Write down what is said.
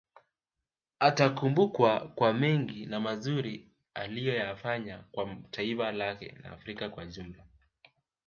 Atakumbukwa kwa mengi na mazuri aliyoyafanya kwa taifa lake na Afrika kwa ujumla